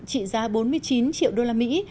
trị giá bốn mươi chín triệu đô la mỹ